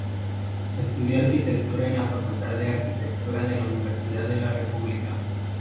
Estudió arquitectura en la Facultad de Arquitectura de la Universidad de la República.